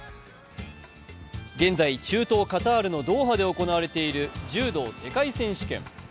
現在、中東カタールのドーハで行われている柔道世界選手権。